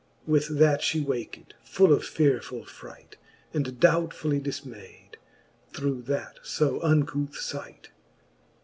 With that fhe waked, full of fearefull fright. And doubtfully difmayd through that fb uncouth fight.